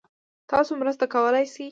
تاسو مرسته کولای شئ؟